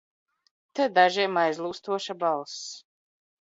Te dažiem aizlūstoša balss!